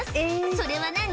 それは何？